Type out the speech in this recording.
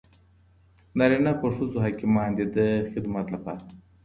نارینه په ښځو حاکمان دي د خدمت لپاره.